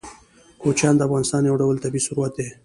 کوچیان د افغانستان یو ډول طبعي ثروت دی.